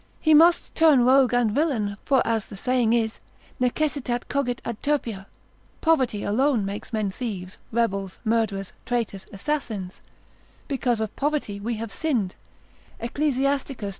He must turn rogue and villain; for as the saying is, Necessitas cogit ad turpia, poverty alone makes men thieves, rebels, murderers, traitors, assassins, because of poverty we have sinned, Ecclus.